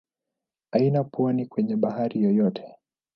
Haina pwani kwenye bahari yoyote.